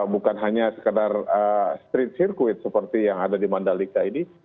bukan hanya sekedar street circuit seperti yang ada di mandalika ini